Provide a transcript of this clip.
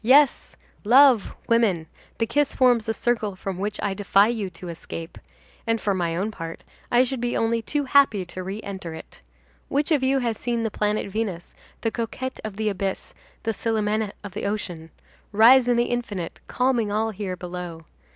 Yes, love, woman, the kiss forms a circle from which I defy you to escape; and, for my own part, I should be only too happy to re enter it. Which of you has seen the planet Venus, the coquette of the abyss, the Célimène of the ocean, rise in the infinite, calming all here below?